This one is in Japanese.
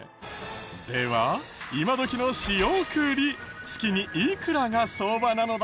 では今どきの仕送り月にいくらが相場なのだろうか？